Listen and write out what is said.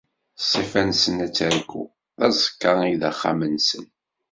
Ṣṣifa-nsen ad terku, d aẓekka i d axxam-nsen.